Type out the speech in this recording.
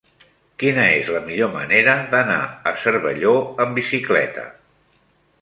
Quina és la millor manera d'anar a Cervelló amb bicicleta?